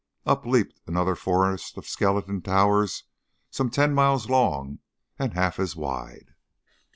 Up leaped another forest of skeleton towers some ten miles long and half as wide.